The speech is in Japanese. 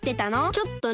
ちょっとね。